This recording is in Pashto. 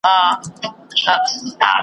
¬ ها ښه دريه چي ئې وهل، هغې هم گوز واچاوه.